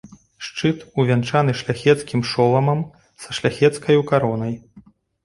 Шчыт увянчаны шляхецкім шоламам са шляхецкаю каронай.